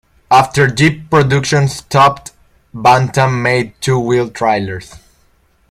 After Jeep production stopped, Bantam made two-wheel trailers.